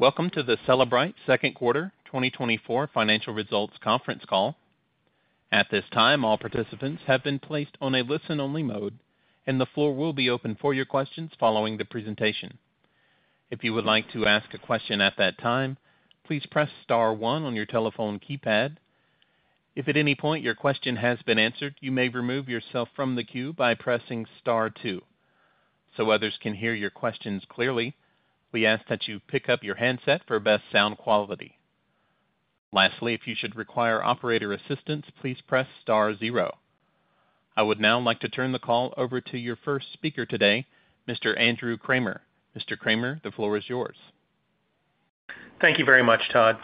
Welcome to the Cellebrite second quarter 2024 financial results conference call. At this time, all participants have been placed on a listen-only mode, and the floor will be open for your questions following the presentation. If you would like to ask a question at that time, please press star one on your telephone keypad. If at any point your question has been answered, you may remove yourself from the queue by pressing star two. So others can hear your questions clearly, we ask that you pick up your handset for best sound quality. Lastly, if you should require operator assistance, please press star zero. I would now like to turn the call over to your first speaker today, Mr. Andrew Kramer. Mr. Kramer, the floor is yours. Thank you very much, Todd,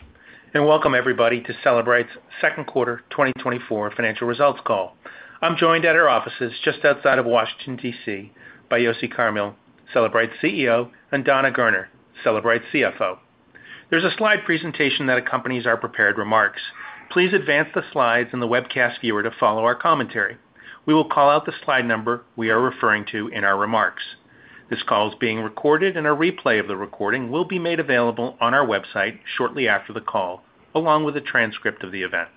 and welcome everybody to Cellebrite's second quarter 2024 financial results call. I'm joined at our offices just outside of Washington, D.C., by Yossi Carmil, Cellebrite CEO, and Dana Gerner, Cellebrite CFO. There's a slide presentation that accompanies our prepared remarks. Please advance the slides in the webcast viewer to follow our commentary. We will call out the slide number we are referring to in our remarks. This call is being recorded, and a replay of the recording will be made available on our website shortly after the call, along with a transcript of the event.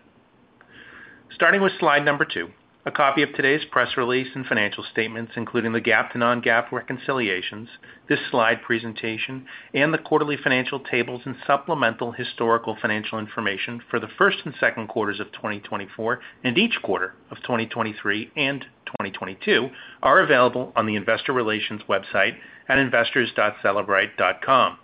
Starting with slide number two, a copy of today's press release and financial statements, including the GAAP to non-GAAP reconciliations, this slide presentation, and the quarterly financial tables and supplemental historical financial information for the first and second quarters of 2024, and each quarter of 2023 and 2022, are available on the investor relations website at investors.cellebrite.com.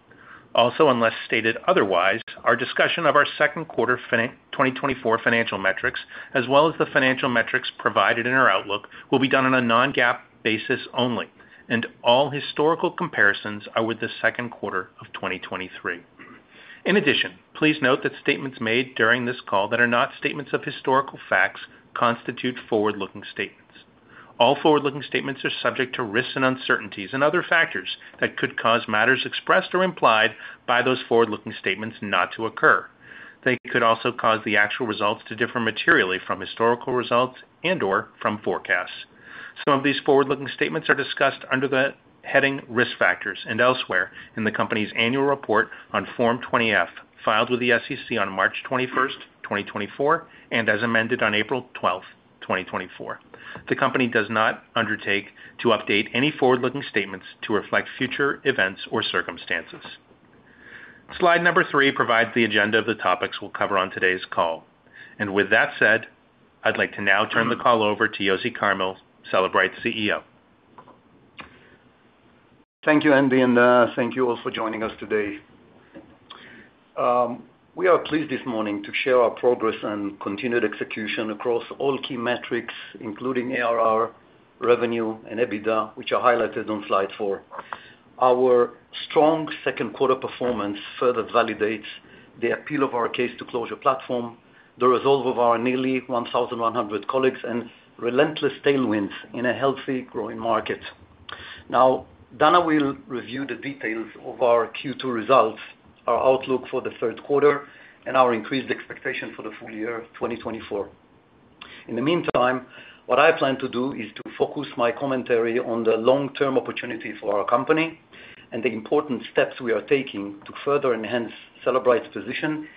Also, unless stated otherwise, our discussion of our second quarter financial 2024 financial metrics, as well as the financial metrics provided in our outlook, will be done on a non-GAAP basis only, and all historical comparisons are with the second quarter of 2023. In addition, please note that statements made during this call that are not statements of historical facts constitute forward-looking statements. All forward-looking statements are subject to risks and uncertainties and other factors that could cause matters expressed or implied by those forward-looking statements not to occur. They could also cause the actual results to differ materially from historical results and/or from forecasts. Some of these forward-looking statements are discussed under the heading Risk Factors and elsewhere in the company's Annual Report on Form 20-F, filed with the SEC on March 21, 2024, and as amended on April 12, 2024. The company does not undertake to update any forward-looking statements to reflect future events or circumstances. Slide three provides the agenda of the topics we'll cover on today's call. With that said, I'd like to now turn the call over to Yossi Carmil, Cellebrite's CEO. Thank you, Andy, and thank you all for joining us today. We are pleased this morning to share our progress and continued execution across all key metrics, including ARR, revenue, and EBITDA, which are highlighted on slide four. Our strong second quarter performance further validates the appeal of our Case-to-Closure platform, the resolve of our nearly 1,100 colleagues, and relentless tailwinds in a healthy, growing market. Now, Dana will review the details of our Q2 results, our outlook for the third quarter, and our increased expectation for the full-year of 2024. In the meantime, what I plan to do is to focus my commentary on the long-term opportunity for our company and the important steps we are taking to further enhance Cellebrite's position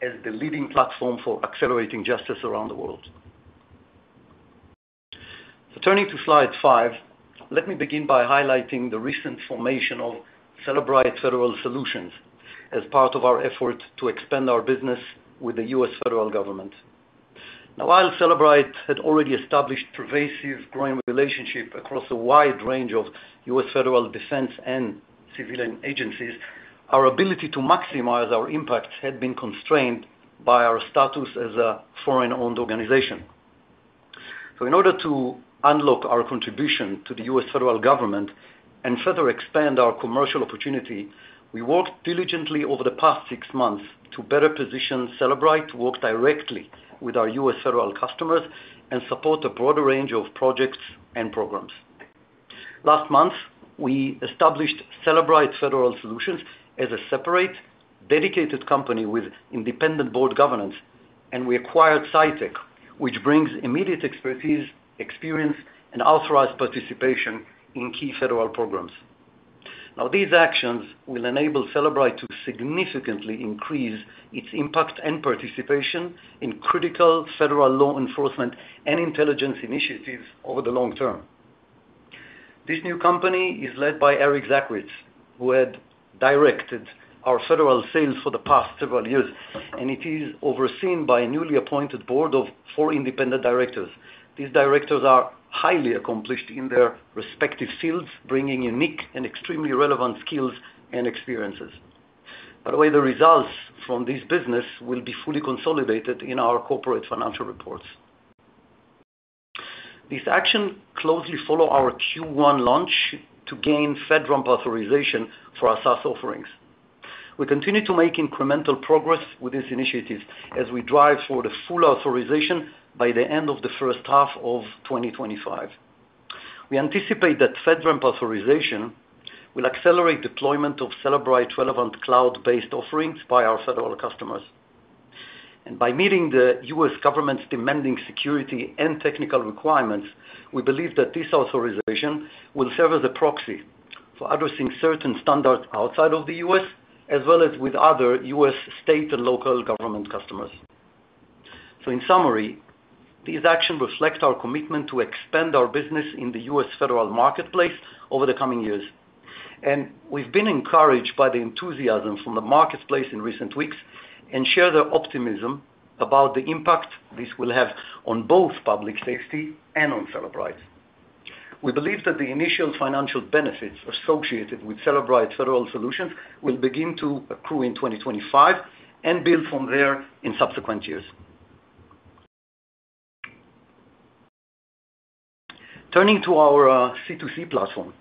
as the leading platform for accelerating justice around the world. Turning to slide five, let me begin by highlighting the recent formation of Cellebrite Federal Solutions as part of our effort to expand our business with the U.S. federal government. Now, while Cellebrite had already established pervasive growing relationship across a wide range of U.S. federal defense and civilian agencies, our ability to maximize our impact had been constrained by our status as a foreign-owned organization. In order to unlock our contribution to the U.S. federal government and further expand our commercial opportunity, we worked diligently over the past six months to better position Cellebrite to work directly with our U.S. federal customers and support a broader range of projects and programs. Last month, we established Cellebrite Federal Solutions as a separate, dedicated company with independent board governance, and we acquired CyTech, which brings immediate expertise, experience, and authorized participation in key federal programs. Now, these actions will enable Cellebrite to significantly increase its impact and participation in critical federal law enforcement and intelligence initiatives over the long term. This new company is led by Eric Sachwitz, who had directed our federal sales for the past several years, and it is overseen by a newly appointed board of four independent directors. These directors are highly accomplished in their respective fields, bringing unique and extremely relevant skills and experiences. By the way, the results from this business will be fully consolidated in our corporate financial reports. This action closely follow our Q1 launch to gain FedRAMP authorization for our SaaS offerings. We continue to make incremental progress with these initiatives as we drive toward a full authorization by the end of the first half of 2025. We anticipate that FedRAMP authorization will accelerate deployment of Cellebrite relevant cloud-based offerings by our federal customers... And by meeting the US government's demanding security and technical requirements, we believe that this authorization will serve as a proxy for addressing certain standards outside of the US, as well as with other US state and local government customers. So in summary, these actions reflect our commitment to expand our business in the US federal marketplace over the coming years. And we've been encouraged by the enthusiasm from the marketplace in recent weeks and share their optimism about the impact this will have on both public safety and on Cellebrite. We believe that the initial financial benefits associated with Cellebrite Federal Solutions will begin to accrue in 2025 and build from there in subsequent years. Turning to our C2C platform,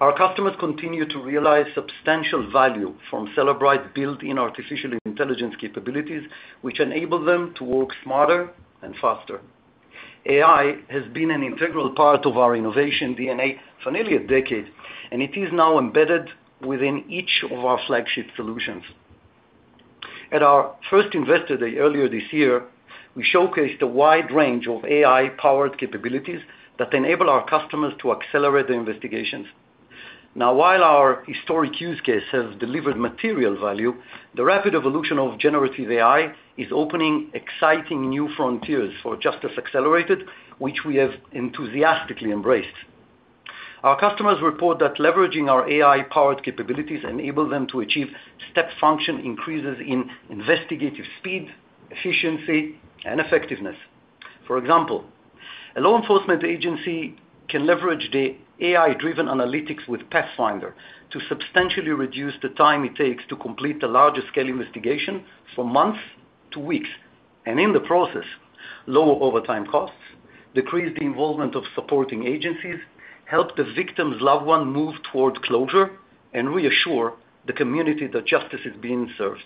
our customers continue to realize substantial value from Cellebrite's built-in artificial intelligence capabilities, which enable them to work smarter and faster. AI has been an integral part of our innovation DNA for nearly a decade, and it is now embedded within each of our flagship solutions. At our first Investor Day earlier this year, we showcased a wide range of AI-powered capabilities that enable our customers to accelerate their investigations. Now, while our historic use case has delivered material value, the rapid evolution of generative AI is opening exciting new frontiers for justice accelerated, which we have enthusiastically embraced. Our customers report that leveraging our AI-powered capabilities enable them to achieve step function increases in investigative speed, efficiency, and effectiveness. For example, a law enforcement agency can leverage the AI-driven analytics with Pathfinder to substantially reduce the time it takes to complete the largest scale investigation from months to weeks, and in the process, lower overtime costs, decrease the involvement of supporting agencies, help the victim's loved one move towards closure, and reassure the community that justice is being served.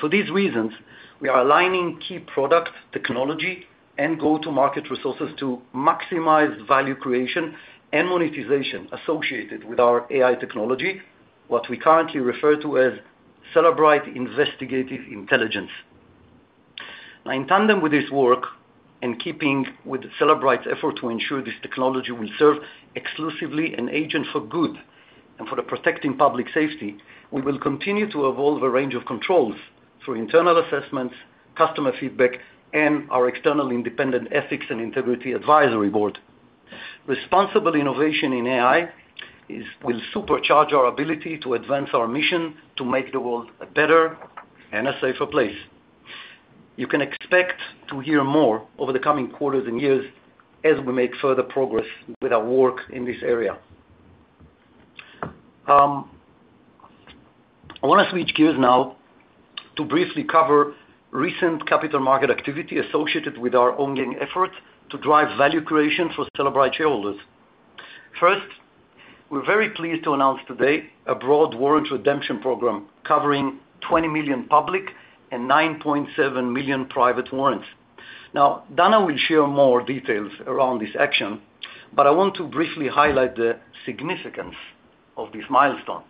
For these reasons, we are aligning key product technology and go-to-market resources to maximize value creation and monetization associated with our AI technology, what we currently refer to as Cellebrite Investigative Intelligence. Now, in tandem with this work, and keeping with Cellebrite's effort to ensure this technology will serve exclusively an agent for good and for the protecting public safety, we will continue to evolve a range of controls through internal assessments, customer feedback, and our external independent ethics and integrity advisory board. Responsible innovation in AI will supercharge our ability to advance our mission to make the world a better and a safer place. You can expect to hear more over the coming quarters and years as we make further progress with our work in this area. I want to switch gears now to briefly cover recent capital market activity associated with our ongoing efforts to drive value creation for Cellebrite shareholders. First, we're very pleased to announce today a broad warrants redemption program covering 20 million public and 9.7 million private warrants. Now, Dana will share more details around this action, but I want to briefly highlight the significance of this milestone. Now,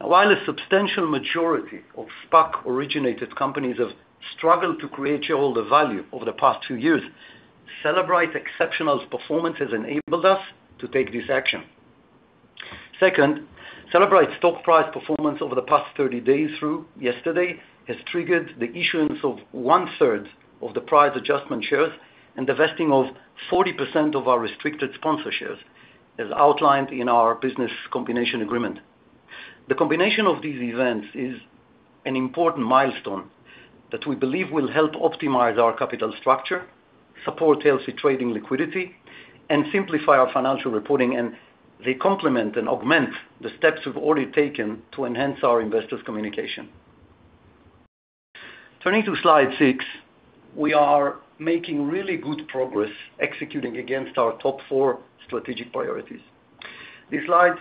while a substantial majority of SPAC-originated companies have struggled to create shareholder value over the past two years, Cellebrite's exceptional performance has enabled us to take this action. Second, Cellebrite's stock price performance over the past 30 days through yesterday has triggered the issuance of one-third of the price adjustment shares and the vesting of 40% of our restricted sponsor shares, as outlined in our business combination agreement. The combination of these events is an important milestone that we believe will help optimize our capital structure, support healthy trading liquidity, and simplify our financial reporting, and they complement and augment the steps we've already taken to enhance our investors' communication. Turning to slide six, we are making really good progress executing against our top four strategic priorities. This slide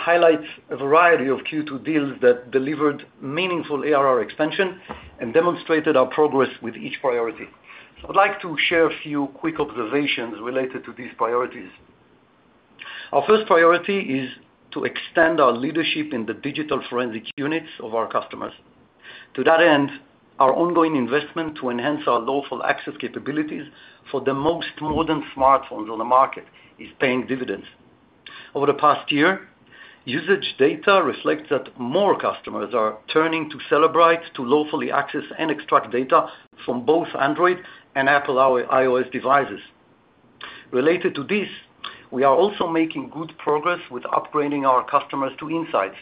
highlights a variety of Q2 deals that delivered meaningful ARR expansion and demonstrated our progress with each priority. I'd like to share a few quick observations related to these priorities. Our first priority is to extend our leadership in the digital forensic units of our customers. To that end, our ongoing investment to enhance our lawful access capabilities for the most modern smartphones on the market is paying dividends. Over the past year, usage data reflects that more customers are turning to Cellebrite to lawfully access and extract data from both Android and Apple iOS devices. Related to this, we are also making good progress with upgrading our customers to Inseyets.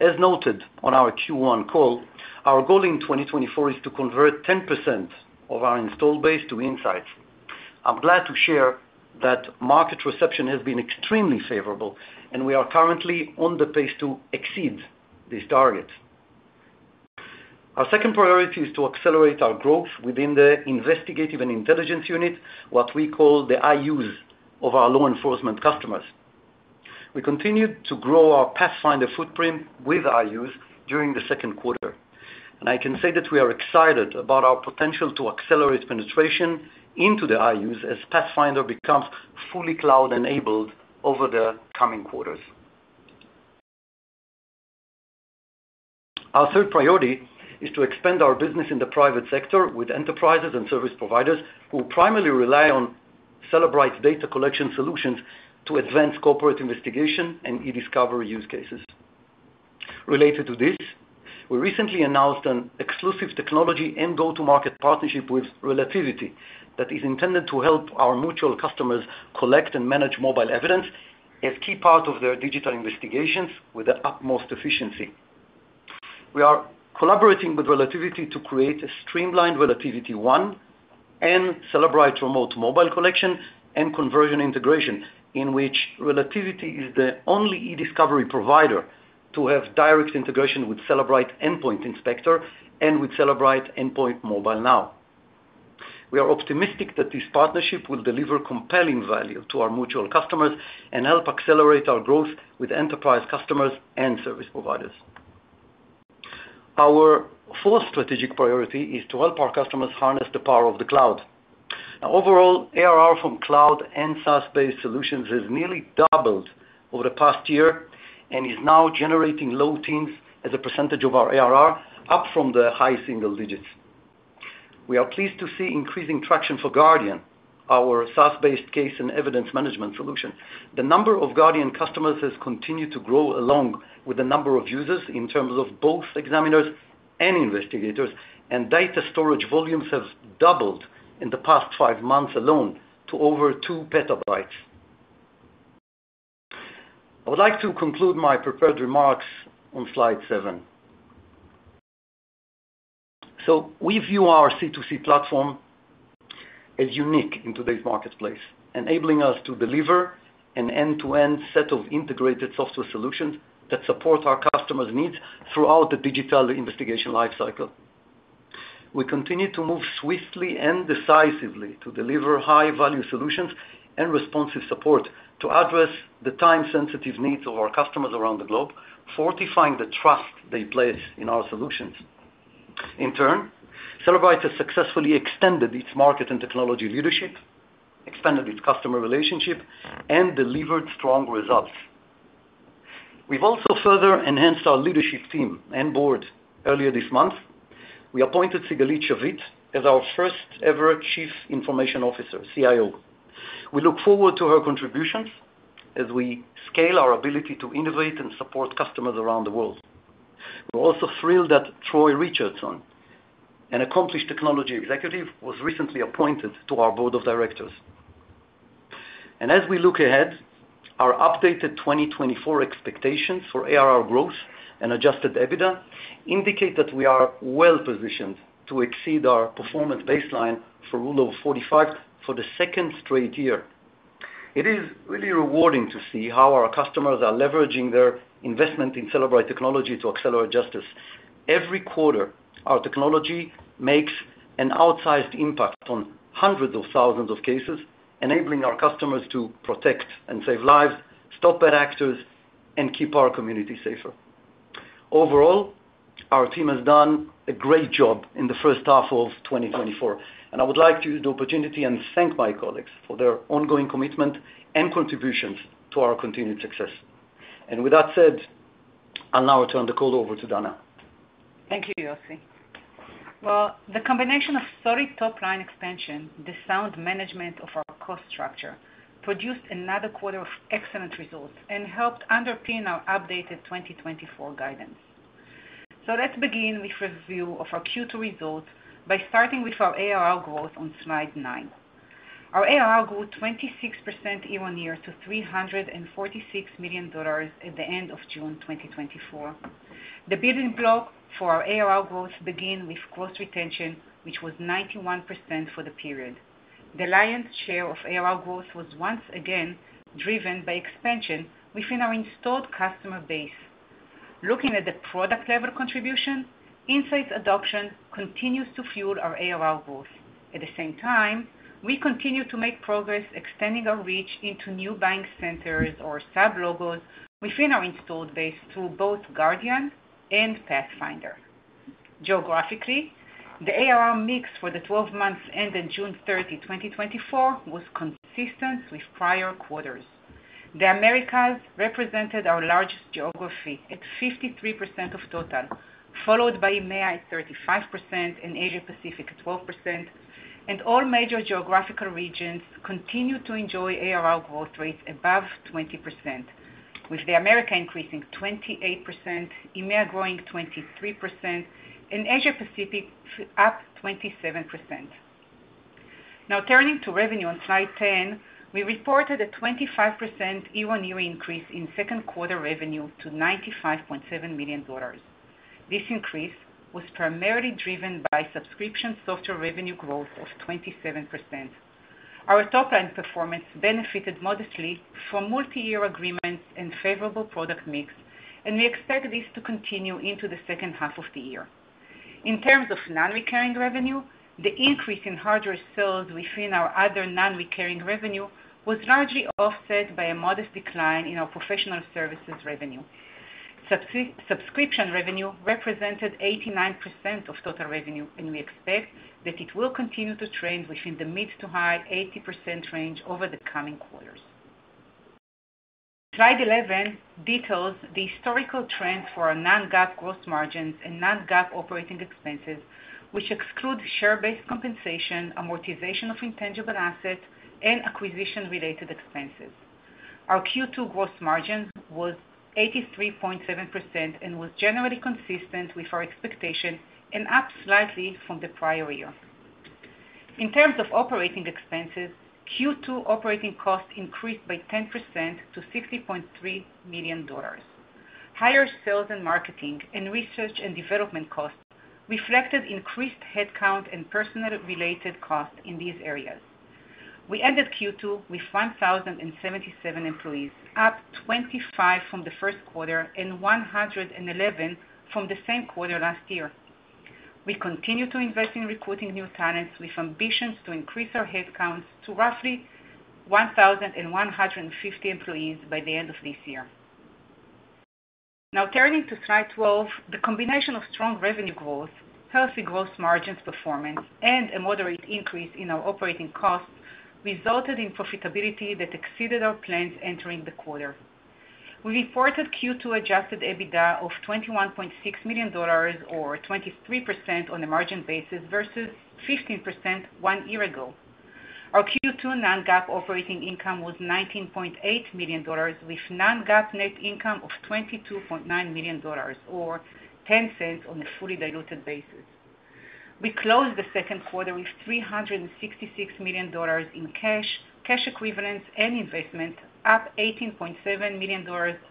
As noted on our Q1 call, our goal in 2024 is to convert 10% of our installed base to Inseyets. I'm glad to share that market reception has been extremely favorable, and we are currently on the pace to exceed this target. Our second priority is to accelerate our growth within the investigative and intelligence unit, what we call the IUs of our law enforcement customers. We continued to grow our Pathfinder footprint with IUs during the second quarter, and I can say that we are excited about our potential to accelerate penetration into the IUs as Pathfinder becomes fully cloud-enabled over the coming quarters. Our third priority is to expand our business in the private sector with enterprises and service providers, who primarily rely on Cellebrite data collection solutions to advance corporate investigation and eDiscovery use cases. Related to this, we recently announced an exclusive technology and go-to-market partnership with Relativity, that is intended to help our mutual customers collect and manage mobile evidence as key part of their digital investigations with the utmost efficiency. We are collaborating with Relativity to create a streamlined RelativityOne and Cellebrite remote mobile collection and conversion integration, in which Relativity is the only eDiscovery provider to have direct integration with Cellebrite Endpoint Inspector and with Cellebrite Endpoint Mobile. We are optimistic that this partnership will deliver compelling value to our mutual customers and help accelerate our growth with enterprise customers and service providers. Our fourth strategic priority is to help our customers harness the power of the cloud. Now, overall, ARR from cloud and SaaS-based solutions has nearly doubled over the past year and is now generating low teens as a percentage of our ARR, up from the high single digits. We are pleased to see increasing traction for Guardian, our SaaS-based case and evidence management solution. The number of Guardian customers has continued to grow, along with the number of users, in terms of both examiners and investigators, and data storage volumes have doubled in the past five months alone to over two petabytes. I would like to conclude my prepared remarks on slide seven. So we view our C2C platform as unique in today's marketplace, enabling us to deliver an end-to-end set of integrated software solutions that support our customers' needs throughout the digital investigation lifecycle. We continue to move swiftly and decisively to deliver high-value solutions and responsive support to address the time-sensitive needs of our customers around the globe, fortifying the trust they place in our solutions. In turn, Cellebrite has successfully extended its market and technology leadership, expanded its customer relationship, and delivered strong results. We've also further enhanced our leadership team and board earlier this month. We appointed Sigalit Shavit as our first-ever Chief Information Officer, CIO. We look forward to her contributions as we scale our ability to innovate and support customers around the world. We're also thrilled that Troy Richardson, an accomplished technology executive, was recently appointed to our board of directors. And as we look ahead, our updated 2024 expectations for ARR growth and Adjusted EBITDA indicate that we are well-positioned to exceed our performance baseline for Rule of 45 for the second straight year. It is really rewarding to see how our customers are leveraging their investment in Cellebrite technology to accelerate justice. Every quarter, our technology makes an outsized impact on hundreds of thousands of cases, enabling our customers to protect and save lives, stop bad actors, and keep our community safer. Overall, our team has done a great job in the first half of 2024, and I would like to use the opportunity and thank my colleagues for their ongoing commitment and contributions to our continued success. And with that said, I'll now turn the call over to Dana. Thank you, Yossi. Well, the combination of solid top-line expansion, the sound management of our cost structure, produced another quarter of excellent results and helped underpin our updated 2024 guidance. So let's begin with review of our Q2 results by starting with our ARR growth on slide nine. Our ARR grew 26% year-on-year to $346 million at the end of June 2024. The building block for our ARR growth began with gross retention, which was 91% for the period. The lion's share of ARR growth was once again driven by expansion within our installed customer base. Looking at the product level contribution, Inseyets adoption continues to fuel our ARR growth. At the same time, we continue to make progress, extending our reach into new buying centers or sublogos within our installed base through both Guardian and Pathfinder. Geographically, the ARR mix for the 12 months ended June 30, 2024, was consistent with prior quarters. The Americas represented our largest geography at 53% of total, followed by EMEA at 35% and Asia Pacific at 12%. All major geographical regions continued to enjoy ARR growth rates above 20%, with the Americas increasing 28%, EMEA growing 23%, and Asia Pacific up 27%. Now, turning to revenue on slide 10, we reported a 25% year-on-year increase in second quarter revenue to $95.7 million. This increase was primarily driven by subscription software revenue growth of 27%. Our top-line performance benefited modestly from multiyear agreements and favorable product mix, and we expect this to continue into the second half of the year. In terms of non-recurring revenue, the increase in hardware sales within our other non-recurring revenue was largely offset by a modest decline in our professional services revenue. Subscription revenue represented 89% of total revenue, and we expect that it will continue to trend within the mid- to high-80% range over the coming quarters. Slide 11 details the historical trends for our non-GAAP gross margins and non-GAAP operating expenses, which exclude share-based compensation, amortization of intangible assets, and acquisition-related expenses. Our Q2 gross margin was 83.7% and was generally consistent with our expectations and up slightly from the prior year. In terms of operating expenses, Q2 operating costs increased by 10% to $60.3 million. Higher sales and marketing and research and development costs reflected increased headcount and personnel-related costs in these areas. We ended Q2 with 1,077 employees, up 25 from the first quarter and 111 from the same quarter last year. We continue to invest in recruiting new talents with ambitions to increase our headcounts to roughly 1,150 employees by the end of this year. Now, turning to slide 12, the combination of strong revenue growth, healthy gross margins performance, and a moderate increase in our operating costs resulted in profitability that exceeded our plans entering the quarter. We reported Q2 Adjusted EBITDA of $21.6 million, or 23% on a margin basis, versus 15% one year ago. Our Q2 non-GAAP operating income was $19.8 million, with non-GAAP net income of $22.9 million, or $0.10 on a fully diluted basis. We closed the second quarter with $366 million in cash, cash equivalents, and investments, up $18.7 million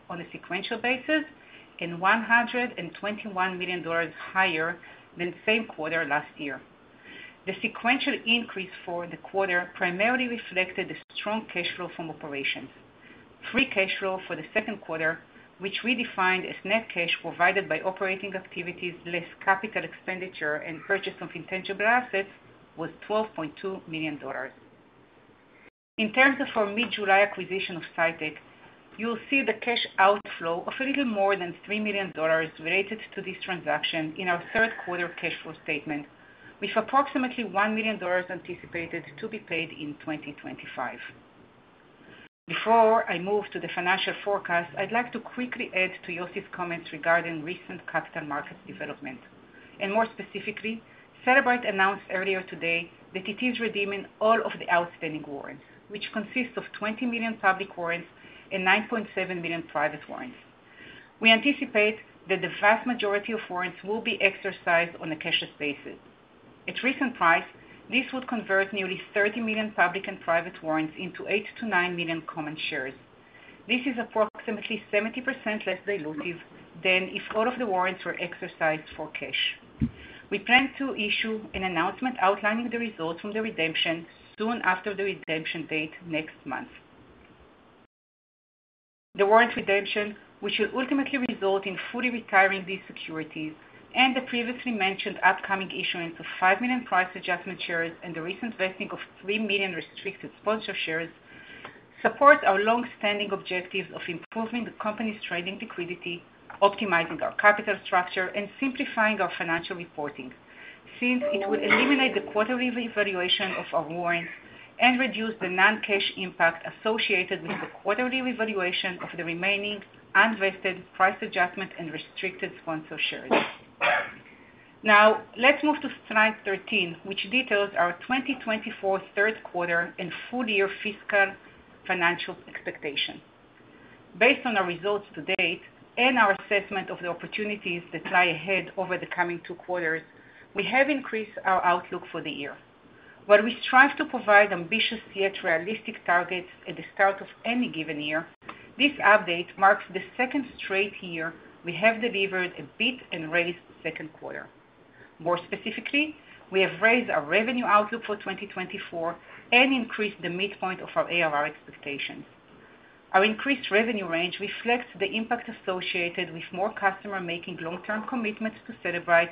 on a sequential basis, and $121 million higher than the same quarter last year. The sequential increase for the quarter primarily reflected the strong cash flow from operations. Free cash flow for the second quarter, which we defined as net cash provided by operating activities, less capital expenditure and purchase of intangible assets, was $12.2 million. In terms of our mid-July acquisition of CyTech, you'll see the cash outflow of a little more than $3 million related to this transaction in our third quarter cash flow statement, with approximately $1 million anticipated to be paid in 2025. Before I move to the financial forecast, I'd like to quickly add to Yossi's comments regarding recent capital market development, and more specifically, Cellebrite announced earlier today that it is redeeming all of the outstanding warrants, which consists of 20 million public warrants and 9.7 million private warrants. We anticipate that the vast majority of warrants will be exercised on a cashless basis. At recent price, this would convert nearly 30 million public and private warrants into 8-9 million common shares. This is approximately 70% less dilutive than if all of the warrants were exercised for cash. We plan to issue an announcement outlining the results from the redemption soon after the redemption date next month. The warrant redemption, which will ultimately result in fully retiring these securities and the previously mentioned upcoming issuance of 5 million price adjustment shares and the recent vesting of 3 million restricted sponsor shares, support our long-standing objectives of improving the company's trading liquidity, optimizing our capital structure, and simplifying our financial reporting. Since it would eliminate the quarterly revaluation of our warrants and reduce the non-cash impact associated with the quarterly revaluation of the remaining unvested price adjustment and restricted sponsor shares. Now, let's move to slide 13, which details our 2024 third quarter and full-year fiscal financial expectations. Based on our results to date and our assessment of the opportunities that lie ahead over the coming 2 quarters, we have increased our outlook for the year. While we strive to provide ambitious, yet realistic targets at the start of any given year, this update marks the second straight year we have delivered a beat and raised second quarter. More specifically, we have raised our revenue outlook for 2024 and increased the midpoint of our ARR expectations. Our increased revenue range reflects the impact associated with more customers making long-term commitments to Cellebrite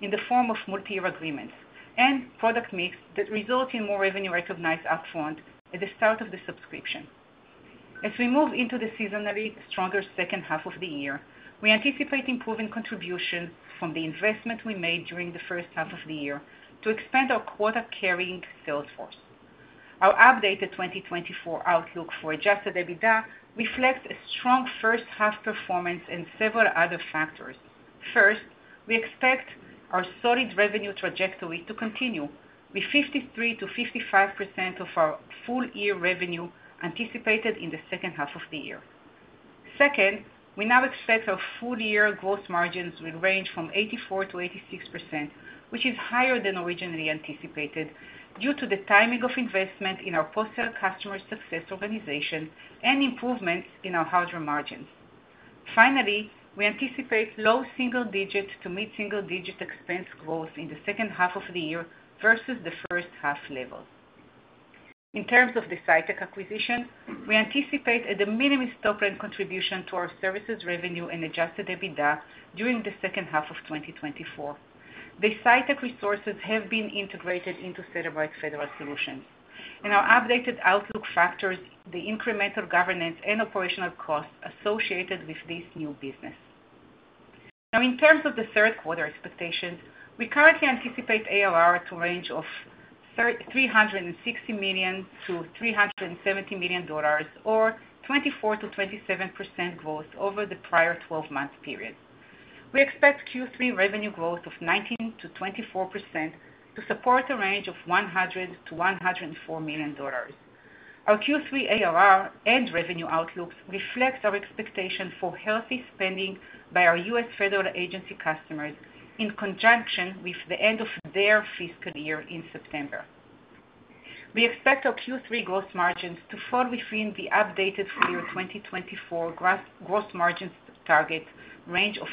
in the form of multi-year agreements and product mix that result in more revenue recognized upfront at the start of the subscription. As we move into the seasonally stronger second half of the year, we anticipate improving contribution from the investment we made during the first half of the year to expand our quota-carrying sales force. Our updated 2024 outlook for Adjusted EBITDA reflects a strong first half performance and several other factors. First, we expect our solid revenue trajectory to continue, with 53%-55% of our full-year revenue anticipated in the second half of the year. Second, we now expect our full-year gross margins will range from 84%-86%, which is higher than originally anticipated, due to the timing of investment in our post-sale customer success organization and improvements in our hardware margins. Finally, we anticipate low single digits to mid-single-digit expense growth in the second half of the year versus the first half levels. In terms of the CyTech acquisition, we anticipate at the minimum, top-line contribution to our services revenue and Adjusted EBITDA during the second half of 2024. The CyTech resources have been integrated into Cellebrite Federal Solutions, and our updated outlook factors the incremental governance and operational costs associated with this new business. Now, in terms of the third quarter expectations, we currently anticipate ARR to range of $360 million-370 million, or 24%-27% growth over the prior 12-month period. We expect Q3 revenue growth of 19%-24% to support a range of $100 million-104 million. Our Q3 ARR and revenue outlooks reflect our expectation for healthy spending by our U.S. Federal agency customers, in conjunction with the end of their fiscal year in September. We expect our Q3 gross margins to fall within the updated fiscal year 2024 growth margins target range of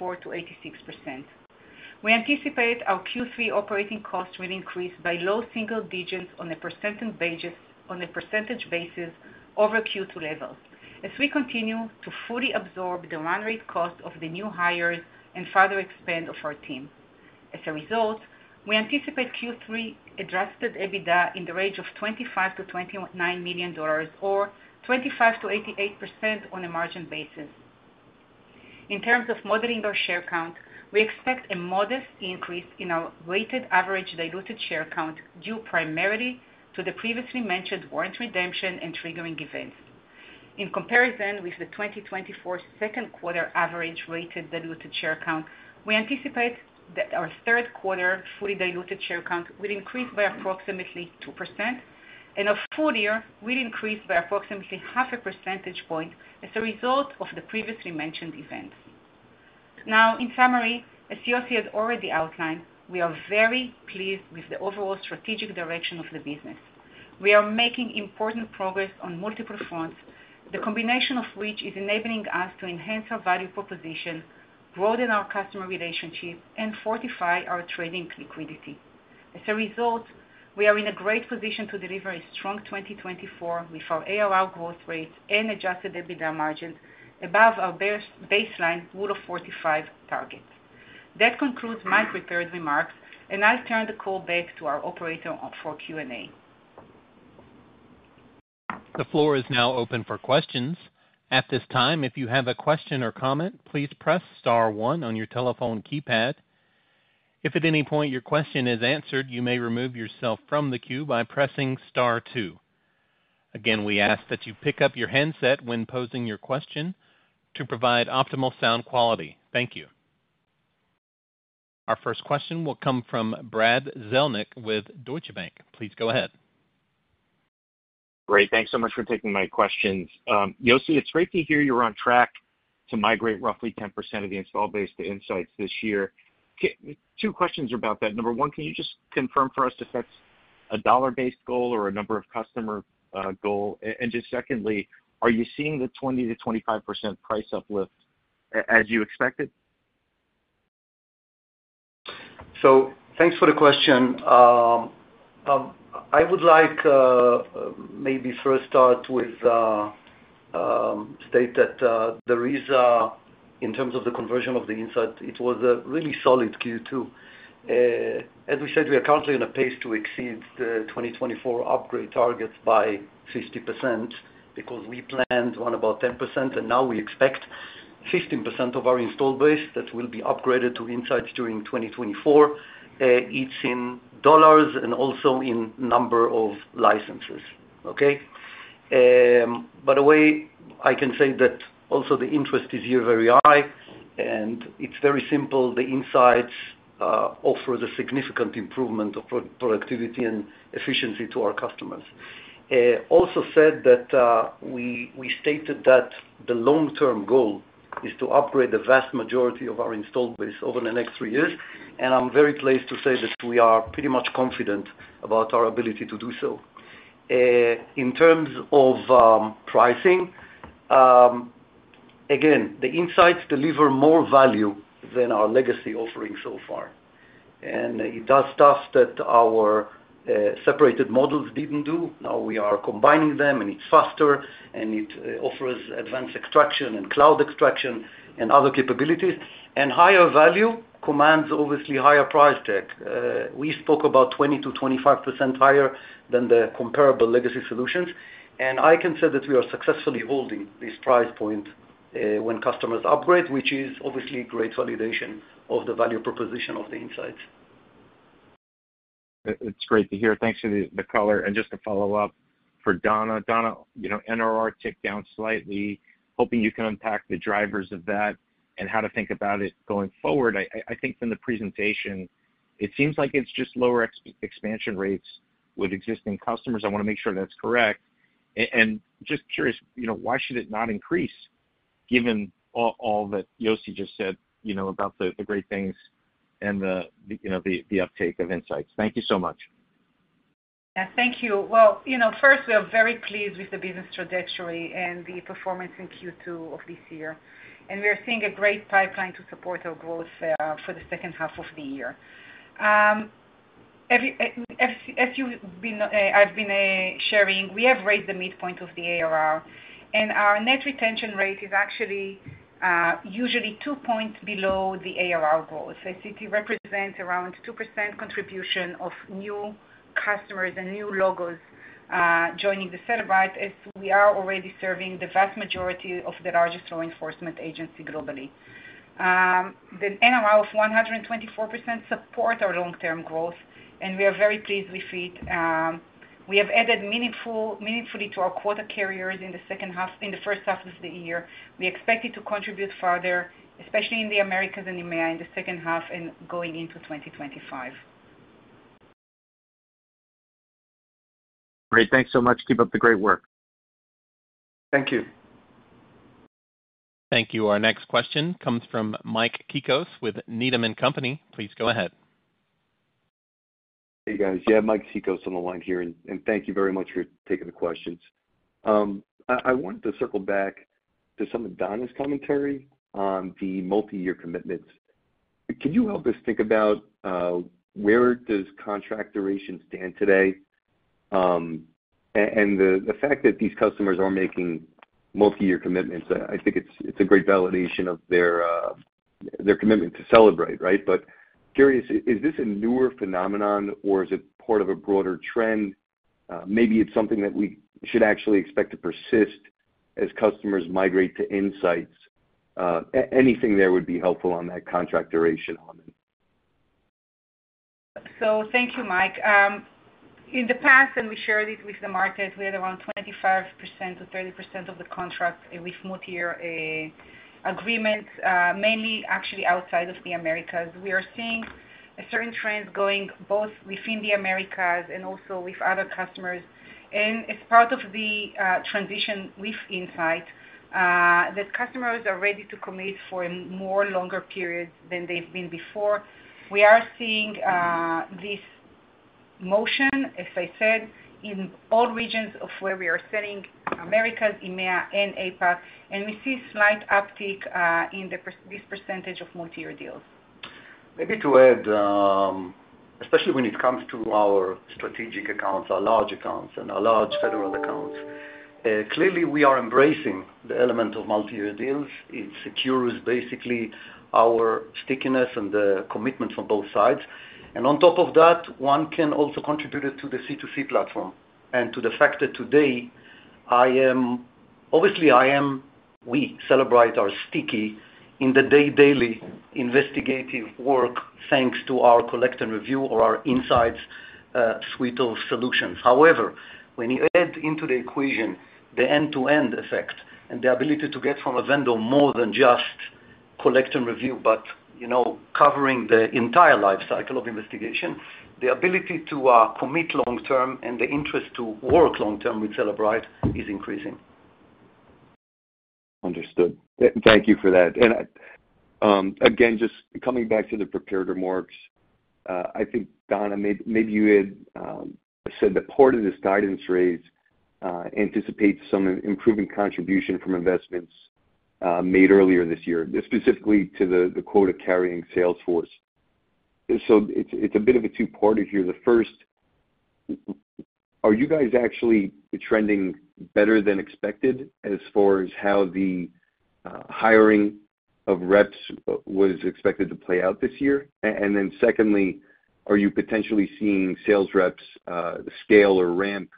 84%-86%. We anticipate our Q3 operating costs will increase by low single digits on a percentage basis, on a percentage basis over Q2 levels, as we continue to fully absorb the run rate cost of the new hires and further expand of our team. As a result, we anticipate Q3 Adjusted EBITDA in the range of $25 million-29 million, or 25%-28% on a margin basis. In terms of modeling our share count, we expect a modest increase in our weighted average diluted share count, due primarily to the previously mentioned warrant redemption and triggering events. In comparison with the 2024 second quarter average weighted diluted share count, we anticipate that our third quarter fully diluted share count will increase by approximately 2%, and our full-year will increase by approximately 0.5 percentage points as a result of the previously mentioned events. Now, in summary, as Yossi has already outlined, we are very pleased with the overall strategic direction of the business. We are making important progress on multiple fronts, the combination of which is enabling us to enhance our value proposition, broaden our customer relationships, and fortify our trading liquidity. As a result, we are in a great position to deliver a strong 2024 with our ARR growth rates and adjusted EBITDA margins above our baseline Rule of 45 target. That concludes my prepared remarks, and I'll turn the call back to our operator for Q&A. The floor is now open for questions. At this time, if you have a question or comment, please press star one on your telephone keypad. If at any point your question is answered, you may remove yourself from the queue by pressing star two. Again, we ask that you pick up your handset when posing your question to provide optimal sound quality. Thank you. Our first question will come from Brad Zelnick with Deutsche Bank. Please go ahead. Great. Thanks so much for taking my questions. Yossi, it's great to hear you're on track to migrate roughly 10% of the installed base to Inseyets this year. Two questions about that. Number one, can you just confirm for us if that's a dollar-based goal or a number of customer goal? And just secondly, are you seeing the 20%-25% price uplift as you expected? So thanks for the question. I would like maybe first start with state that there is in terms of the conversion of the Inseyets, it was a really solid Q2. As we said, we are currently on a pace to exceed the 2024 upgrade targets by 50%, because we planned on about 10%, and now we expect 15% of our installed base that will be upgraded to Inseyets during 2024, it's in dollars and also in number of licenses. Okay? By the way, I can say that also the interest is here very high, and it's very simple. The Insights offer the significant improvement of productivity and efficiency to our customers. Also said that we stated that the long-term goal is to upgrade the vast majority of our installed base over the next three years, and I'm very pleased to say that we are pretty much confident about our ability to do so. In terms of pricing, again, the Insights deliver more value than our legacy offerings so far. And it does stuff that our separate models didn't do. Now we are combining them, and it's faster, and it offers advanced extraction and cloud extraction and other capabilities. And higher value commands, obviously, higher price tag. We spoke about 20%-25% higher than the comparable legacy solutions, and I can say that we are successfully holding this price point when customers upgrade, which is obviously great validation of the value proposition of the Insights. It's great to hear. Thanks for the color. And just to follow up, for Dana. Dana, you know, NRR ticked down slightly. Hoping you can unpack the drivers of that and how to think about it going forward. I think from the presentation, it seems like it's just lower expansion rates with existing customers. I wanna make sure that's correct. And just curious, you know, why should it not increase, given all that Yossi just said, you know, about the great things and the uptake of Inseyets? Thank you so much. Yeah, thank you. Well, you know, first, we are very pleased with the business trajectory and the performance in Q2 of this year, and we are seeing a great pipeline to support our growth for the second half of the year. Every, as you've been, I've been sharing, we have raised the midpoint of the ARR, and our net retention rate is actually usually two points below the ARR goals. I see it represents around 2% contribution of new customers and new logos joining Cellebrite, as we are already serving the vast majority of the largest law enforcement agency globally. The NRR of 124% support our long-term growth, and we are very pleased with it. We have added meaningfully to our quota carriers in the second half, in the first half of the year. We expect it to contribute further, especially in the Americas and EMEA in the second half and going into 2025. Great. Thanks so much. Keep up the great work. Thank you. Thank you. Our next question comes from Mike Cikos with Needham & Company. Please go ahead. Hey, guys. Yeah, Mike Cikos on the line here, and thank you very much for taking the questions. I wanted to circle back to some of Dana's commentary on the multi-year commitments. Can you help us think about where does contract duration stand today? And the fact that these customers are making multi-year commitments, I think it's a great validation of their commitment to Cellebrite, right? But curious, is this a newer phenomenon, or is it part of a broader trend? Maybe it's something that we should actually expect to persist as customers migrate to Insights. Anything there would be helpful on that contract duration on it. So thank you, Mike. In the past, and we shared it with the market, we had around 25%-30% of the contracts with multi-year agreements, mainly actually outside of the Americas. We are seeing a certain trend going both within the Americas and also with other customers. And as part of the transition with Inseyets, the customers are ready to commit for a more longer period than they've been before. We are seeing this motion, as I said, in all regions of where we are selling, Americas, EMEA, and APAC, and we see slight uptick in this percentage of multi-year deals. Maybe to add, especially when it comes to our strategic accounts, our large accounts and our large federal accounts, clearly we are embracing the element of multi-year deals. It secures basically our stickiness and the commitment from both sides. And on top of that, one can also contribute it to the C2C platform and to the fact that today, obviously we Cellebrite are sticky in the day-to-day investigative work, thanks to our collect and review or our Inseyets suite of solutions. However, when you add into the equation the end-to-end effect and the ability to get from a vendor more than just collect and review, but, you know, covering the entire life cycle of investigation, the ability to commit long term and the interest to work long term with Cellebrite is increasing. Understood. Thank you for that. And again, just coming back to the prepared remarks, I think, Dana, maybe you had said that part of this guidance raise anticipates some improving contribution from investments made earlier this year, specifically to the quota-carrying sales force. So it's a bit of a two-parter here. The first, are you guys actually trending better than expected as far as how the hiring of reps was expected to play out this year? And then secondly, are you potentially seeing sales reps scale or ramp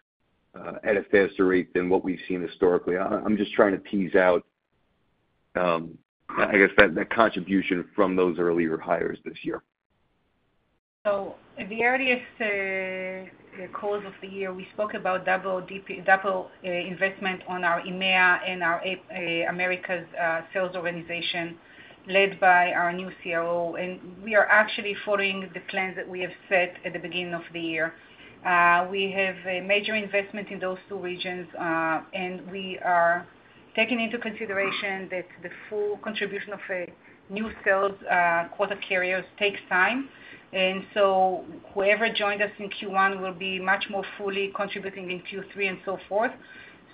at a faster rate than what we've seen historically? I'm just trying to tease out, I guess, that contribution from those earlier hires this year. So at the earliest calls of the year, we spoke about double investment on our EMEA and our Americas sales organization, led by our new COO, and we are actually following the plans that we have set at the beginning of the year. We have a major investment in those two regions, and we are taking into consideration that the full contribution of a new sales quota carriers takes time, and so whoever joined us in Q1 will be much more fully contributing in Q3 and so forth.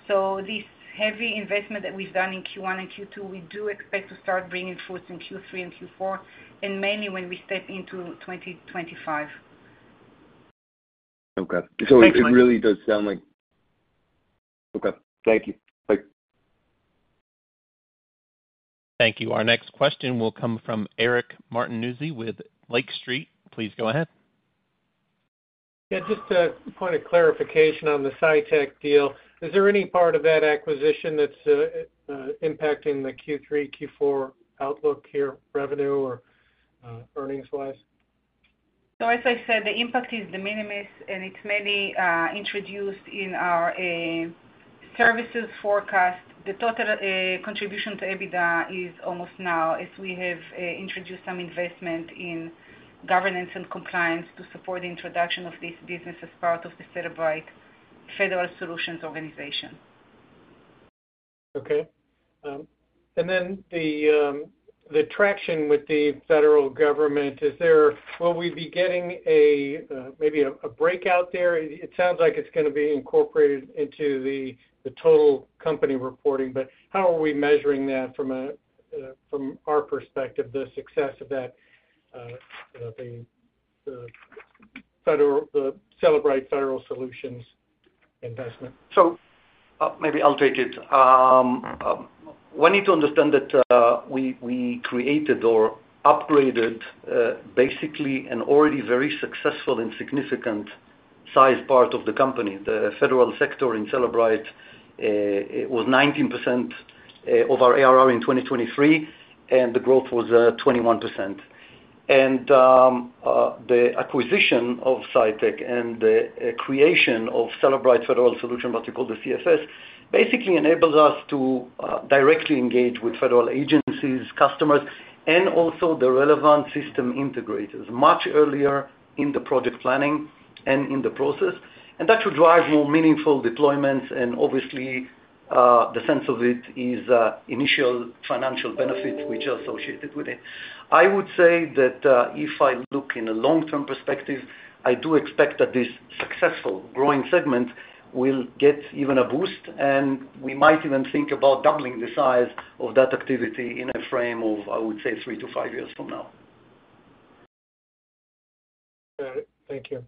So this heavy investment that we've done in Q1 and Q2, we do expect to start bringing fruits in Q3 and Q4, and mainly when we step into 2025. Okay. So it really does sound like... Okay. Thank you. Bye. Thank you. Our next question will come from Eric Martinuzzi with Lake Street. Please go ahead. Yeah, just a point of clarification on the CyTech deal. Is there any part of that acquisition that's impacting the Q3, Q4 outlook here, revenue or earnings-wise? So as I said, the impact is de minimis, and it's mainly introduced in our services forecast. The total contribution to EBITDA is almost null, as we have introduced some investment in governance and compliance to support the introduction of this business as part of the Cellebrite Federal Solutions organization. Okay. And then the traction with the federal government, is there-- will we be getting maybe a breakout there? It sounds like it's going to be incorporated into the total company reporting, but how are we measuring that from our perspective, the success of that, the federal Cellebrite Federal Solutions investment? So, maybe I'll take it. You need to understand that we created or upgraded basically an already very successful and significant size part of the company. The federal sector in Cellebrite, it was 19% of our ARR in 2023, and the growth was 21%. And the acquisition of CyTech and the creation of Cellebrite Federal Solutions, what you call the CFS, basically enables us to directly engage with federal agencies, customers, and also the relevant system integrators much earlier in the project planning and in the process. And that should drive more meaningful deployments, and obviously the sense of it is initial financial benefits which are associated with it. I would say that, if I look in a long-term perspective, I do expect that this successful growing segment will get even a boost, and we might even think about doubling the size of that activity in a frame of, I would say, three to five years from now. Got it. Thank you.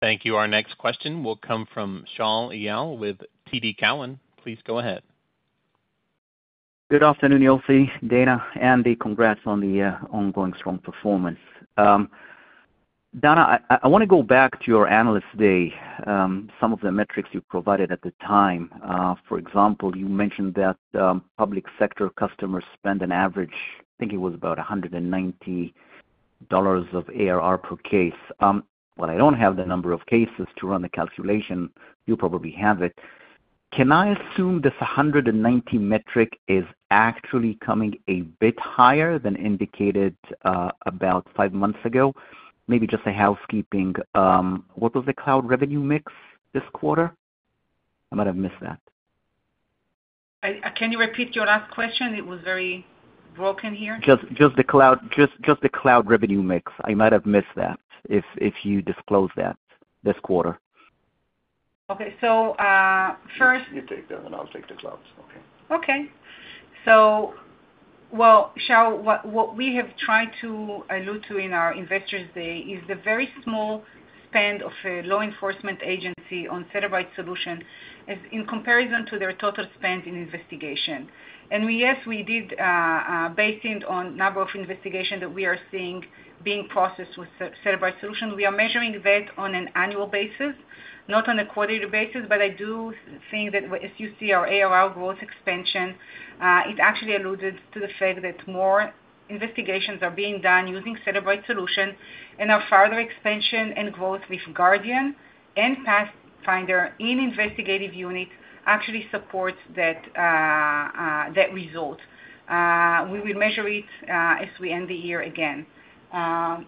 Thank you. Our next question will come from Shaul Eyal with TD Cowen. Please go ahead. Good afternoon, Yossi, Dana, and Andy. Congrats on the ongoing strong performance. Dana, I wanna go back to your Analyst Day, some of the metrics you provided at the time. For example, you mentioned that public sector customers spend an average, I think it was about $190 of ARR per case. Well, I don't have the number of cases to run the calculation. You probably have it. Can I assume this $190 metric is actually coming a bit higher than indicated about five months ago? Maybe just a housekeeping, what was the cloud revenue mix this quarter? I might have missed that. Can you repeat your last question? It was very broken here. Just the cloud revenue mix. I might have missed that, if you disclosed that this quarter. Okay. So, first- You take that, and I'll take the clouds. Okay? Okay. So, well, Shaul, what we have tried to allude to in our Investor Day is the very small spend of a law enforcement agency on Cellebrite solution as in comparison to their total spend in investigation. And we... Yes, we did, based on number of investigation that we are seeing being processed with Cellebrite solution. We are measuring that on an annual basis, not on a quarterly basis. But I do think that if you see our ARR growth expansion, it actually alluded to the fact that more investigations are being done using Cellebrite solution and our further expansion and growth with Guardian and Pathfinder in investigative unit actually supports that, that result. We will measure it, as we end the year again.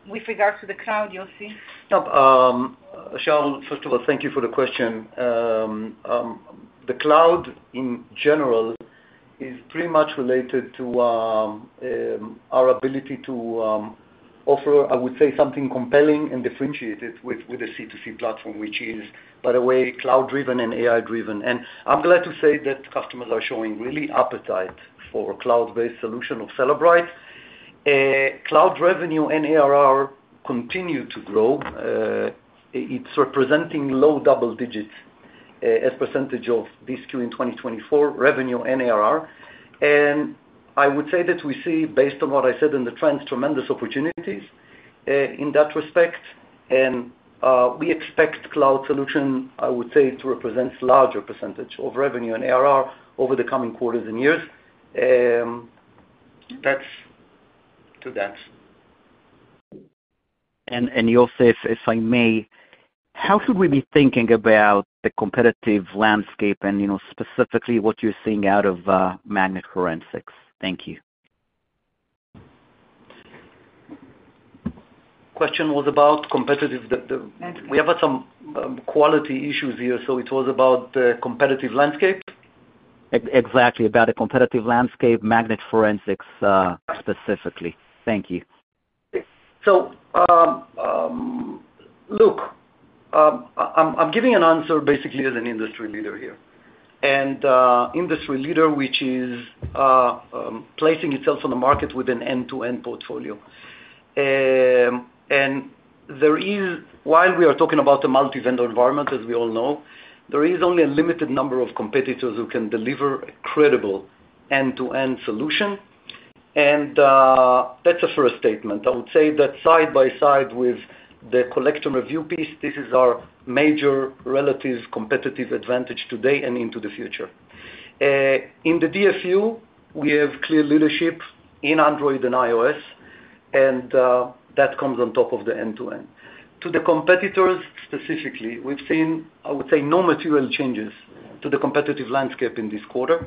With regards to the cloud, Yossi? Yep. Shaul, first of all, thank you for the question. The cloud, in general, is pretty much related to our ability to offer, I would say, something compelling and differentiated with the C2C platform, which is, by the way, cloud-driven and AI-driven. And I'm glad to say that customers are showing really appetite for cloud-based solution of Cellebrite. Cloud revenue and ARR continue to grow. It's representing low double digits as percentage of this Q in 2024 revenue and ARR. And I would say that we see, based on what I said in the trends, tremendous opportunities in that respect. And we expect cloud solution, I would say, to represent larger percentage of revenue and ARR over the coming quarters and years. That's to that. Yossi, if I may, how should we be thinking about the competitive landscape and, you know, specifically what you're seeing out of Magnet Forensics? Thank you. Question was about competitive. Landscape. We have had some quality issues here, so it was about competitive landscape? Exactly, about the competitive landscape, Magnet Forensics, specifically. Thank you. So, look, I'm giving an answer basically as an industry leader here, and industry leader, which is placing itself on the market with an end-to-end portfolio. And there is... While we are talking about a multi-vendor environment, as we all know, there is only a limited number of competitors who can deliver a credible end-to-end solution, and that's a first statement. I would say that side by side with the collection review piece, this is our major relative competitive advantage today and into the future. In the DFU, we have clear leadership in Android and iOS, and that comes on top of the end-to-end. To the competitors specifically, we've seen, I would say, no material changes to the competitive landscape in this quarter.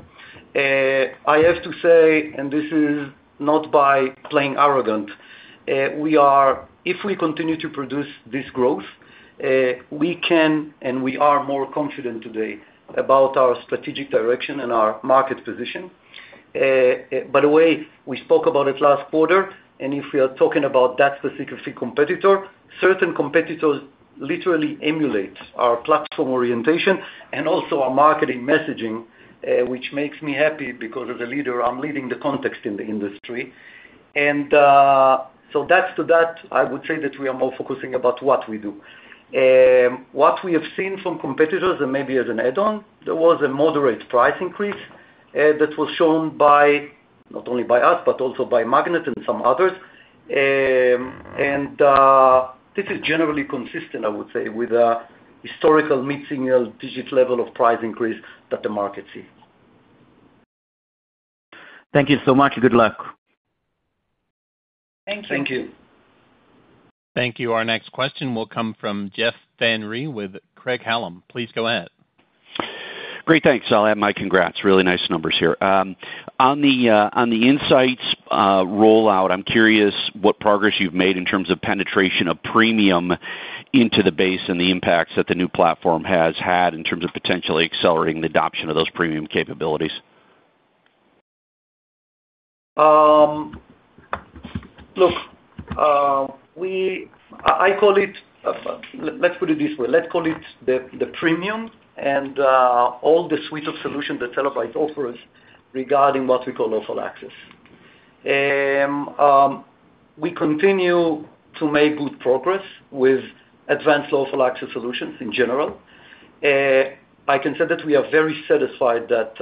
I have to say, and this is not by playing arrogant, we are. If we continue to produce this growth, we can and we are more confident today about our strategic direction and our market position. By the way, we spoke about it last quarter, and if we are talking about that specific competitor. Certain competitors literally emulate our platform orientation and also our marketing messaging, which makes me happy because as a leader, I'm leading the context in the industry. So that's to that, I would say that we are more focusing about what we do. What we have seen from competitors and maybe as an add-on, there was a moderate price increase that was shown by, not only by us, but also by Magnet and some others. This is generally consistent, I would say, with a historical mid-single digit level of price increase that the market sees. Thank you so much. Good luck. Thank you. Thank you. Thank you. Our next question will come from Jeff Van Rhee with Craig-Hallum. Please go ahead. Great, thanks. I'll add my congrats. Really nice numbers here. On the Inseyets rollout, I'm curious what progress you've made in terms of penetration of Premium into the base and the impacts that the new platform has had in terms of potentially accelerating the adoption of those Premium capabilities? Look, let's put it this way. Let's call it the premium and all the suite of solutions that Cellebrite offers regarding what we call lawful access. We continue to make good progress with advanced lawful access solutions in general. I can say that we are very satisfied that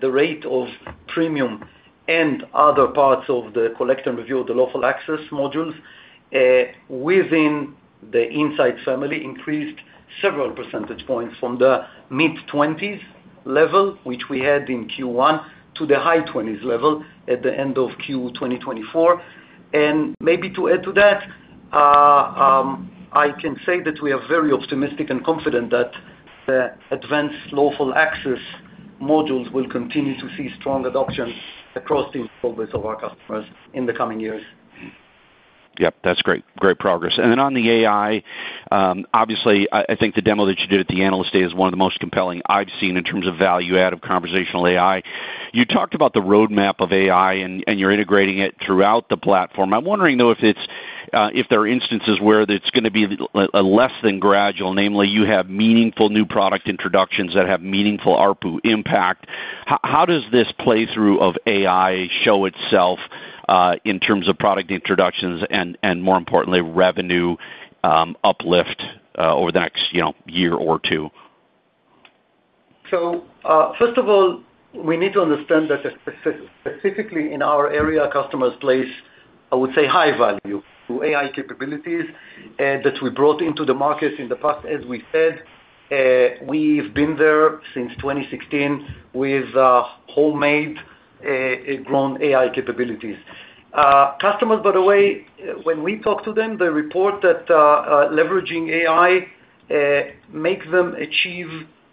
the rate of premium and other parts of the collect and review of the lawful access modules within the Inseyets family increased several percentage points from the mid-20s level, which we had in Q1, to the high 20s level at the end of Q2 2024. And maybe to add to that, I can say that we are very optimistic and confident that the advanced lawful access modules will continue to see strong adoption across the focus of our customers in the coming years. Yep, that's great. Great progress. And then on the AI, obviously, I think the demo that you did at the Analyst Day is one of the most compelling I've seen in terms of value add of conversational AI. You talked about the roadmap of AI and you're integrating it throughout the platform. I'm wondering, though, if it's if there are instances where it's gonna be less than gradual, namely, you have meaningful new product introductions that have meaningful ARPU impact. How does this play through of AI show itself in terms of product introductions and, more importantly, revenue uplift over the next, you know, year or two? So, first of all, we need to understand that specifically in our area, customers place, I would say, high value to AI capabilities that we brought into the market in the past. As we said, we've been there since 2016 with homegrown AI capabilities. Customers, by the way, when we talk to them, they report that leveraging AI makes them achieve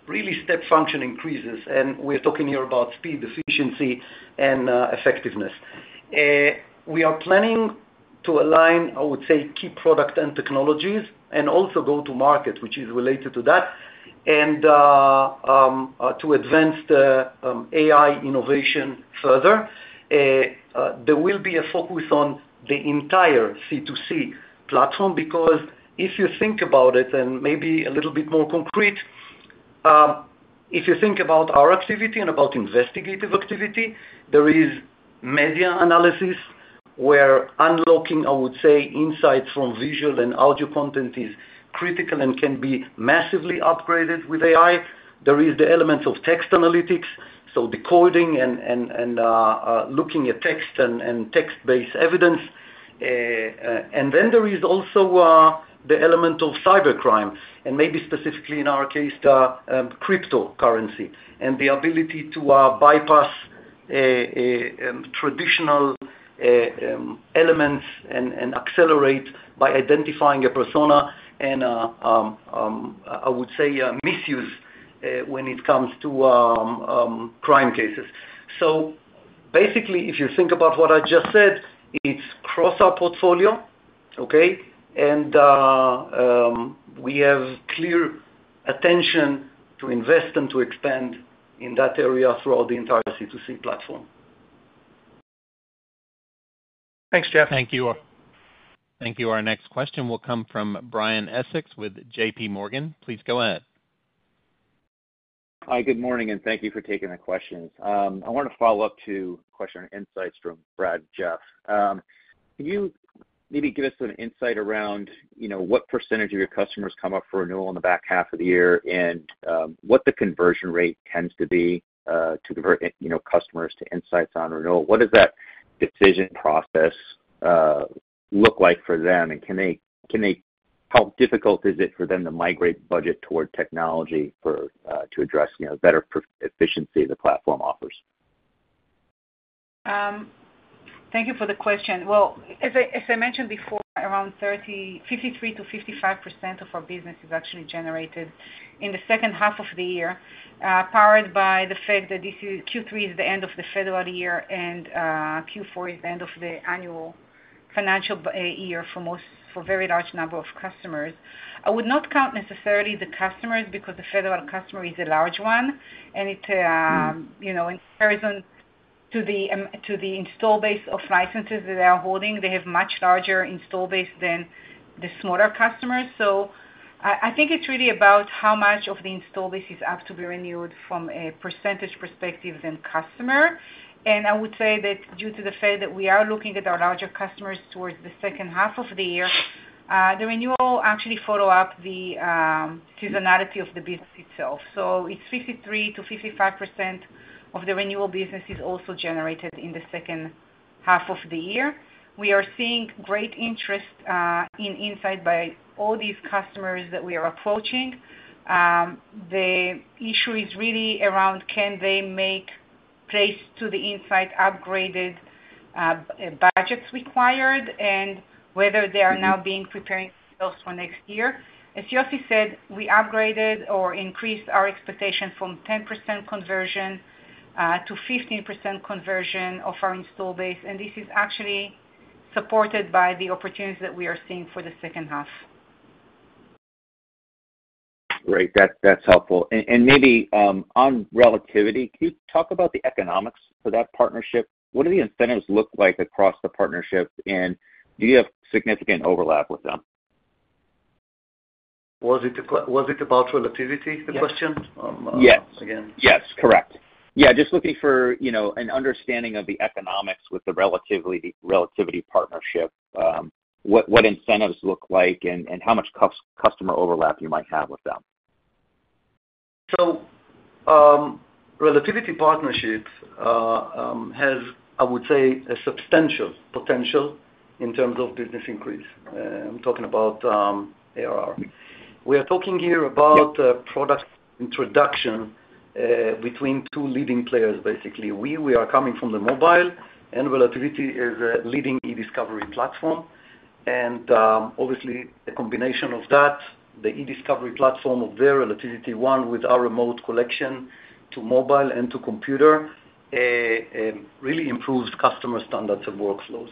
really step function increases, and we're talking here about speed, efficiency, and effectiveness. We are planning to align, I would say, key product and technologies, and also go to market, which is related to that. To advance the AI innovation further, there will be a focus on the entire C2C platform, because if you think about it, and maybe a little bit more concrete, if you think about our activity and about investigative activity, there is media analysis where unlocking, I would say, insights from visual and audio content is critical and can be massively upgraded with AI. There is the elements of text analytics, so decoding and looking at text and text-based evidence. And then there is also the element of cybercrime, and maybe specifically in our case, the cryptocurrency and the ability to bypass traditional elements and accelerate by identifying a persona and I would say misuse when it comes to crime cases. So basically, if you think about what I just said, it's across our portfolio, okay? And we have clear attention to invest and to expand in that area throughout the entire C2C platform. Thanks, Jeff. Thank you. Thank you. Our next question will come from Brian Essex with J.P. Morgan. Please go ahead. Hi, good morning, and thank you for taking the questions. I want to follow up to question Inseyets from Brad Zelnick and Jeff Van Rhee. Can you maybe give us an insight around, you know, what percentage of your customers come up for renewal in the back half of the year, and what the conversion rate tends to be to convert, you know, customers to Inseyets on renewal? What does that decision process look like for them, and can they? How difficult is it for them to migrate budget toward technology for to address, you know, better efficiency the platform offers? Thank you for the question. Well, as I, as I mentioned before, around 35%-55% of our business is actually generated in the second half of the year, powered by the fact that this is, Q3 is the end of the federal year and, Q4 is the end of the annual financial year for most, for a very large number of customers. I would not count necessarily the customers, because the federal customer is a large one, and it, you know, in comparison to the, to the install base of licenses that they are holding, they have much larger install base than the smaller customers. So I, I think it's really about how much of the install base is up to be renewed from a percentage perspective than customer. I would say that due to the fact that we are looking at our larger customers towards the second half of the year, the renewal actually follow up the seasonality of the business itself. So it's 53%-55% of the renewal business is also generated in the second half of the year. We are seeing great interest in Inseyets by all these customers that we are approaching. The issue is really around can they make place to the Inseyets upgraded budgets required, and whether they are now being preparing themselves for next year. As Yossi said, we upgraded or increased our expectation from 10% conversion to 15% conversion of our install base, and this is actually supported by the opportunities that we are seeing for the second half. Great, that's, that's helpful. Maybe, on Relativity, can you talk about the economics for that partnership? What do the incentives look like across the partnership, and do you have significant overlap with them? Was it about, was it about Relativity, the question? Yes. Um, again. Yes, correct. Yeah, just looking for, you know, an understanding of the economics with the Relativity partnership, what incentives look like and how much customer overlap you might have with them? So, Relativity partnership has, I would say, a substantial potential in terms of business increase. I'm talking about ARR. We are talking here about- Yep... product introduction between two leading players, basically. We are coming from the mobile, and Relativity is a leading eDiscovery platform. And, obviously, the combination of that, the eDiscovery platform of their RelativityOne, with our remote collection to mobile and to computer really improves customer standards and workflows.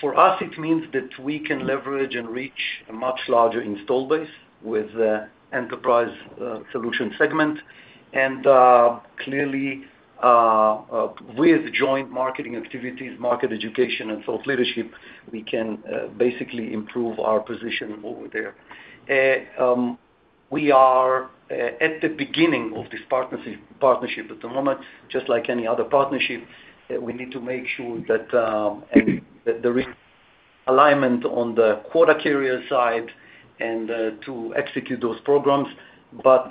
For us, it means that we can leverage and reach a much larger install base with the enterprise solution segment. And, clearly, with joint marketing activities, market education, and thought leadership, we can basically improve our position over there. We are at the beginning of this partnership at the moment, just like any other partnership, that we need to make sure that there is alignment on the quota carrier side and to execute those programs. But,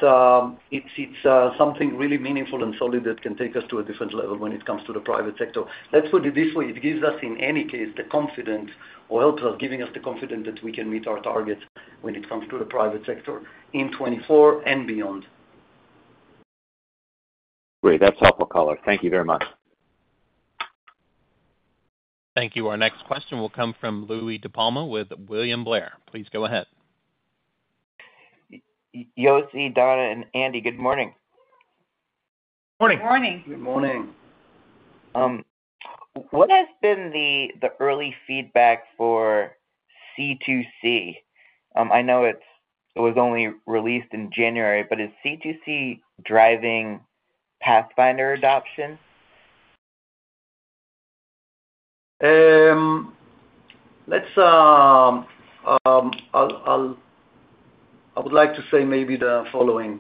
it's something really meaningful and solid that can take us to a different level when it comes to the private sector. Let's put it this way, it gives us, in any case, the confidence, or helps us giving us the confidence that we can meet our targets when it comes to the private sector in 2024 and beyond. Great. That's helpful, color. Thank you very much. Thank you. Our next question will come from Louie DiPalma with William Blair. Please go ahead. Yossi, Dana, and Andy, good morning. Morning. Morning. Good morning. What has been the early feedback for C2C? I know it was only released in January, but is C2C driving Pathfinder adoption? I would like to say maybe the following.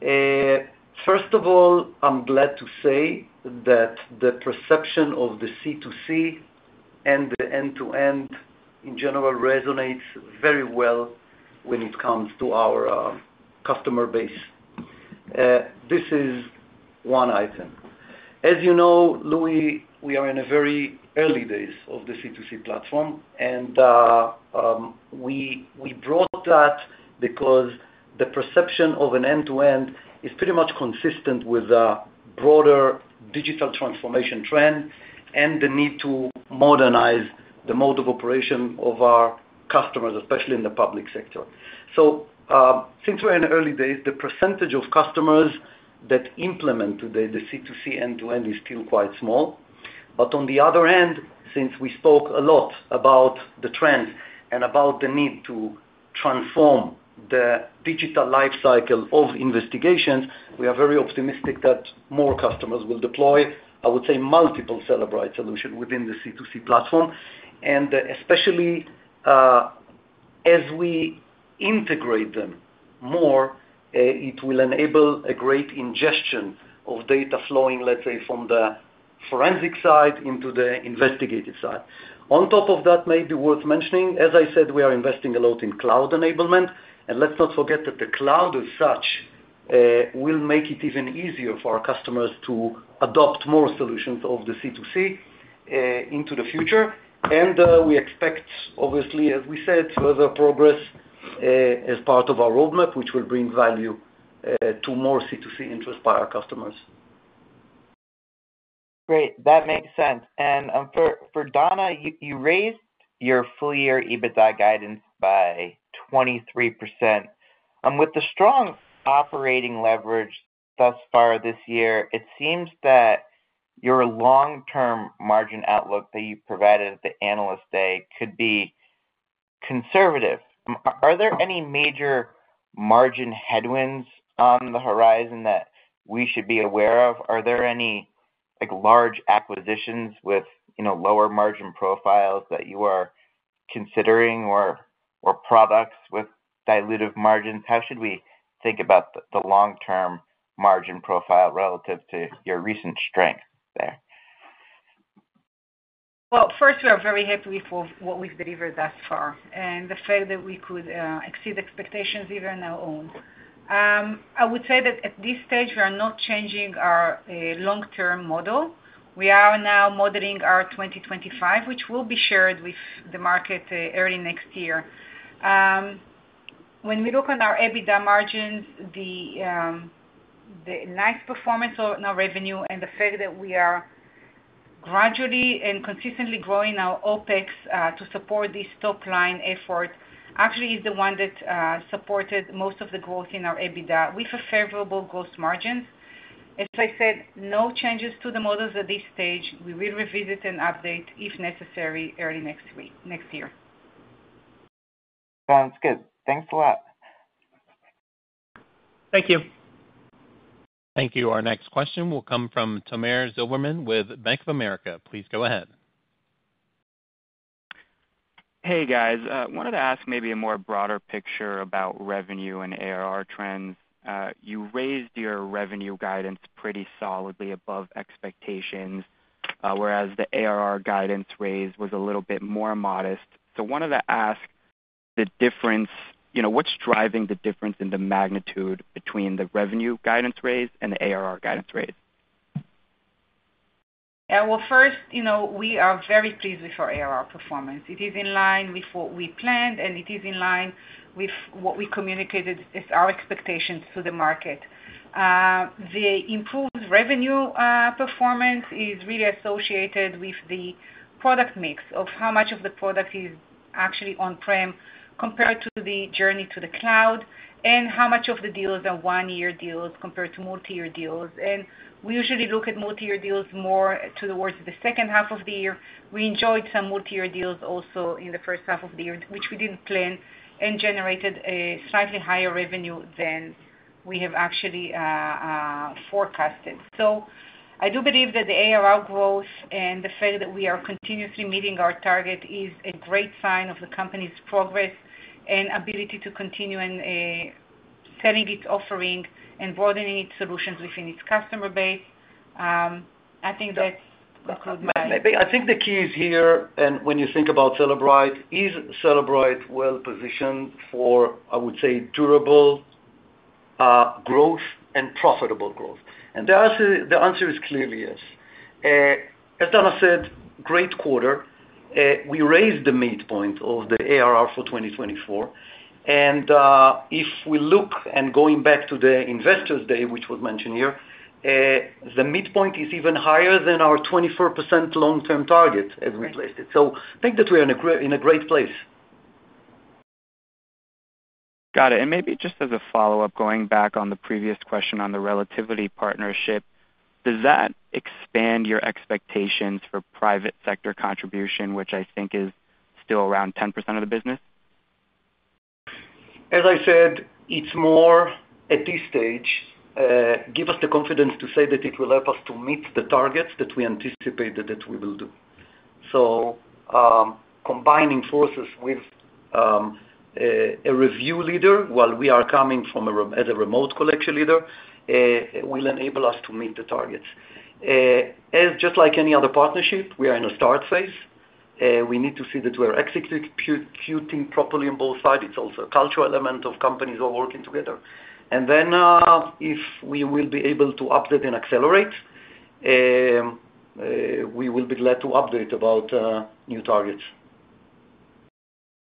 First of all, I'm glad to say that the perception of the C2C and the end-to-end, in general, resonates very well when it comes to our customer base. This is one item. As you know, Louie, we are in a very early days of the C2C platform, and we brought that because the perception of an end-to-end is pretty much consistent with a broader digital transformation trend and the need to modernize the mode of operation of our customers, especially in the public sector. So, since we're in the early days, the percentage of customers that implement today, the C2C end-to-end, is still quite small. But on the other hand, since we spoke a lot about the trend and about the need to transform the digital life cycle of investigations, we are very optimistic that more customers will deploy, I would say, multiple Cellebrite solution within the C2C platform. And especially, as we integrate them more, it will enable a great ingestion of data flowing, let's say, from the forensic side into the investigative side. On top of that, maybe worth mentioning, as I said, we are investing a lot in cloud enablement. And let's not forget that the cloud, as such, will make it even easier for our customers to adopt more solutions of the C2C, into the future. And, we expect, obviously, as we said, further progress, as part of our roadmap, which will bring value, to more C2C interest by our customers. Great, that makes sense. For Dana, you raised your full-year EBITDA guidance by 23%. With the strong operating leverage thus far this year, it seems that your long-term margin outlook that you've provided at the Analyst Day could be conservative. Are there any major margin headwinds on the horizon that we should be aware of? Are there any, like, large acquisitions with, you know, lower margin profiles that you are considering or products with dilutive margins? How should we think about the long-term margin profile relative to your recent strength there? Well, first, we are very happy with what we've delivered thus far, and the fact that we could exceed expectations even our own. I would say that at this stage, we are not changing our long-term model. We are now modeling our 2025, which will be shared with the market early next year. When we look on our EBITDA margins, the nice performance of our revenue and the fact that we are gradually and consistently growing our OpEx to support this top line effort actually is the one that supported most of the growth in our EBITDA, with favorable gross margins. As I said, no changes to the models at this stage. We will revisit and update, if necessary, early next year. Sounds good. Thanks a lot. Thank you. Thank you. Our next question will come from Tomer Zilberman with Bank of America. Please go ahead. Hey, guys. Wanted to ask maybe a more broader picture about revenue and ARR trends. You raised your revenue guidance pretty solidly above expectations, whereas the ARR guidance raise was a little bit more modest. So wanted to ask the difference. You know, what's driving the difference in the magnitude between the revenue guidance raise and the ARR guidance raise? Well, first, you know, we are very pleased with our ARR performance. It is in line with what we planned, and it is in line with what we communicated as our expectations to the market. The improved revenue performance is really associated with the product mix of how much of the product is actually on-prem, compared to the journey to the cloud, and how much of the deals are one-year deals compared to multi-year deals. And we usually look at multi-year deals more towards the second half of the year. We enjoyed some multi-year deals also in the first half of the year, which we didn't plan, and generated a slightly higher revenue than we have actually forecasted. I do believe that the ARR growth and the fact that we are continuously meeting our target is a great sign of the company's progress and ability to continue in selling its offering and broadening its solutions within its customer base. I think that concludes my- I think the key is here, and when you think about Cellebrite, is Cellebrite well positioned for, I would say, durable growth and profitable growth? The answer is clearly yes. As Dana said, great quarter. We raised the midpoint of the ARR for 2024, and if we look, going back to the Investor Day, which was mentioned here, the midpoint is even higher than our 24% long-term target as we placed it. So I think that we are in a great place. Got it. Maybe just as a follow-up, going back on the previous question on the Relativity partnership, does that expand your expectations for private sector contribution, which I think is still around 10% of the business? As I said, it's more at this stage give us the confidence to say that it will help us to meet the targets that we anticipated that we will do. So, combining forces with a review leader, while we are coming from as a remote collection leader, will enable us to meet the targets. Just like any other partnership, we are in a start phase, we need to see that we're executing properly on both sides. It's also a cultural element of companies all working together. And then, if we will be able to update and accelerate, we will be glad to update about new targets.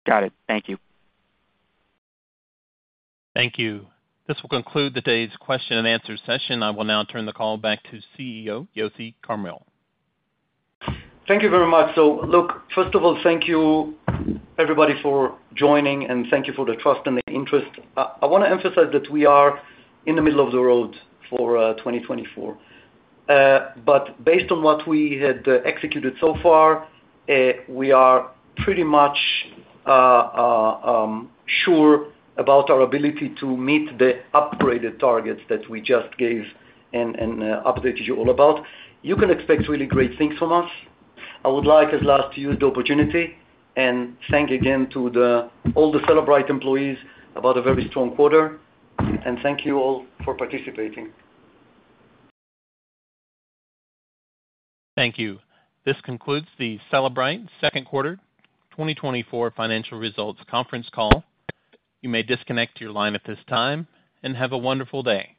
Got it. Thank you. Thank you. This will conclude today's question and answer session. I will now turn the call back to CEO, Yossi Carmil. Thank you very much. So look, first of all, thank you everybody for joining, and thank you for the trust and the interest. I wanna emphasize that we are in the middle of the road for 2024. But based on what we had executed so far, we are pretty much sure about our ability to meet the upgraded targets that we just gave and updated you all about. You can expect really great things from us. I would like, as last, to use the opportunity and thank again to the all the Cellebrite employees about a very strong quarter, and thank you all for participating. Thank you. This concludes the Cellebrite second quarter 2024 financial results conference call. You may disconnect your line at this time, and have a wonderful day.